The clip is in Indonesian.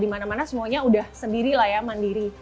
di mana mana semuanya sudah sendiri lah ya mandiri